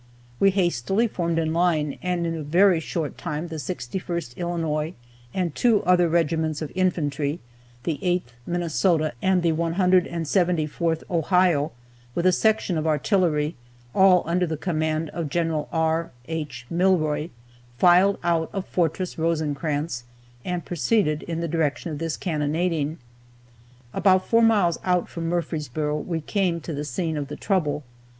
We hastily formed in line, and in a very short time the 61st Illinois and two other regiments of infantry, the 8th Minnesota and the 174th Ohio, with a section of artillery, all under the command of Gen. R. H. Milroy, filed out of Fortress Rosecrans, and proceeded in the direction of this cannonading. About four miles out from Murfreesboro we came to the scene of the trouble.